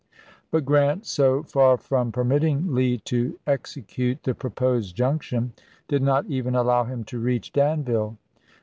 But Grant, so far from permitting Lee to execute the proposed junction, did not even allow him to reach Danville.